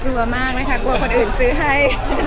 กลัวมากนะคะกลัวคนอื่นซื้อให้